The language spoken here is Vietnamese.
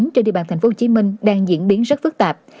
trên địa bàn tp hcm đang diễn biến rất phức tạp